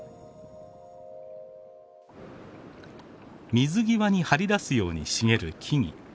水際に張り出すように茂る木々。